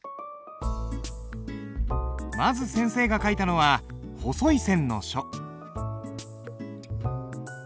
まず先生が書いたのは細い線の書。